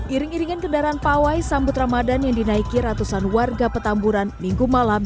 iring iringan kendaraan pawai sambut ramadan yang dinaiki ratusan warga petamburan minggu malam